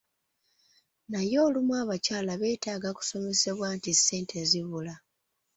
Naye olumu abakyala betaaga kusomesebwa nti ssente zibula.